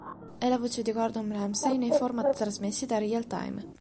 È la voce di Gordon Ramsay nei format trasmessi da Real Time.